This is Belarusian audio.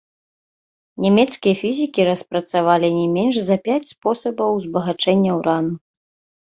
Нямецкія фізікі распрацавалі не менш за пяць спосабаў узбагачэння ўрану.